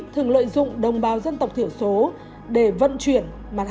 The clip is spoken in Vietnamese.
thường lợi dụng đồng bào dân tộc thiểu số để vận chuyển